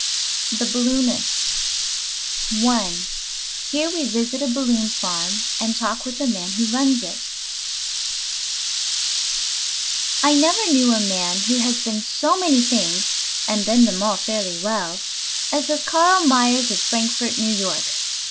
THE BALLOONIST I HERE WE VISIT A BALLOON FARM AND TALK, WITH THE MAN WHO RUNS IT I NEVER knew a man who has been so many things (and been them all fairly well) as has Carl Myers of Frankfort, New York.